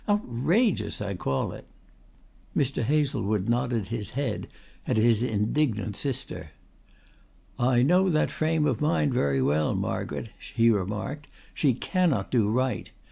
Outrageous I call it!" Mr. Hazlewood nodded his head at his indignant sister. "I know that frame of mind very well, Margaret," he remarked. "She cannot do right.